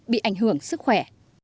bị ảnh hưởng sức khỏe